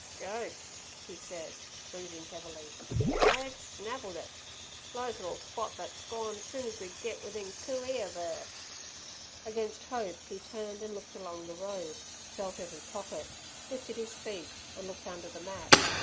"Ghost!" he said, breathing heavily, "Mag's snavelled it! Lizer 'll spot thet's gone soon's we get 'ithin coo ee of 'er!" Against hope he turned and looked along the road; felt every pocket, lifted his feet, and looked under the mat.